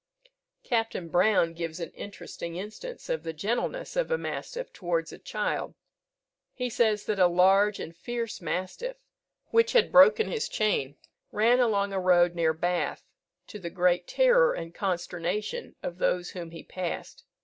Captain Brown gives an interesting instance of the gentleness of a mastiff towards a child. He says that a large and fierce mastiff, which had broken his chain, ran along a road near Bath, to the great terror and consternation of those whom he passed.